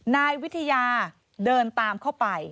นายวิทยาเดินตามเข้าไป